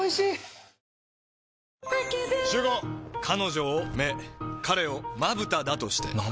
彼女を目彼をまぶただとして。